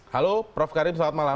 halo prof karim selamat malam